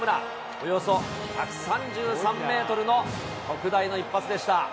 およそ１３３メートルの特大の一発でした。